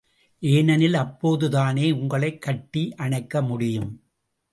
ஏனெனில் அப்போது தானே உங்களைக் கட்டி அணைக்க முடியும்.